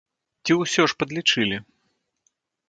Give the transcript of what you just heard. Ці ўсё ж падлічылі?